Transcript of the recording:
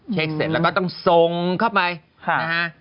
เสร็จแล้วก็ต้องส่งเข้าไปนะฮะ